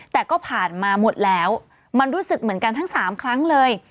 แต่ก็ผ่านมาหมดแล้วมันรู้สึกเหมือนกันทั้ง๓ครั้งเลย